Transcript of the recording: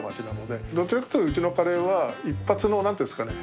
どちらかというとうちのカレーは一発の何ていうんですかね